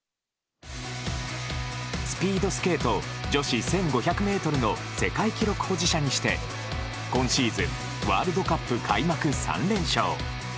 スピードスケート女子１５００メートルの世界記録保持者にして、今シーズン、ワールドカップ開幕３連勝。